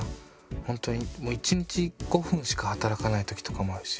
ほんとにもう１日５分しか働かないときとかもあるし。